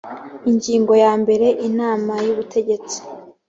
ingingo ya mbere inama y ubutegetsi